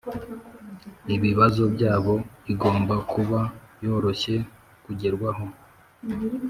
ibibazo byabo igomba kuba yoroshye kugerwaho